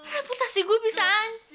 reputasi gue bisa hancur